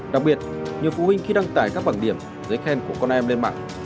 đặc biệt nhiều phụ huynh khi đăng tải các bảng điểm giấy khen của con em lên mạng